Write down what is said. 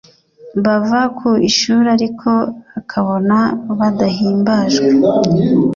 bava ku ishuri ariko akabona badahimbajwe